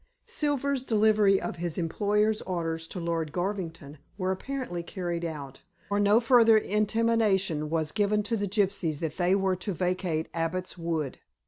Silver's delivery of his employer's orders to Lord Garvington were apparently carried out, for no further intimation was given to the gypsies that they were to vacate Abbot's Wood.